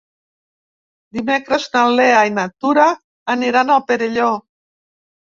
Dimecres na Lea i na Tura aniran al Perelló.